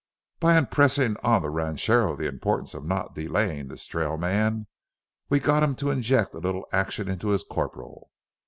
By impressing on the ranchero the importance of not delaying this trail man, we got him to inject a little action into his corporal.